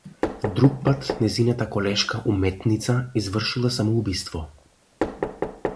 Друг пат, нејзината колешка уметница извршила самоубиство.